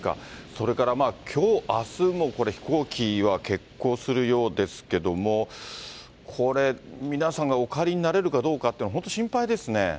それからまあ、きょう、あすもこれ、飛行機は欠航するようですけども、これ、皆さんがお帰りになれるかどうかって本当、心配ですね。